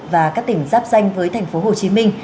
và các tỉnh giáp danh với tp hcm